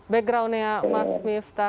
backgroundnya mas lifta